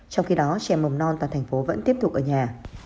trong khi đó trẻ mầm non toàn thành phố vẫn tiếp tục ở nhà